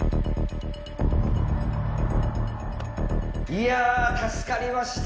いや助かりました